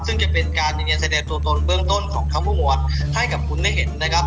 ซึ่งจะเป็นการยืนยันแสดงตัวตนเบื้องต้นของทั้งหมดให้กับคุณได้เห็นนะครับ